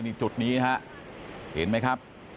นี่จุดนี้นะฮะเห็นไหมครับ